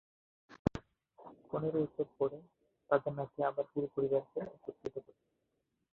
পনেরো বছর পরে, তাদের নাতি আবার পুরো পরিবারকে একত্রিত করে।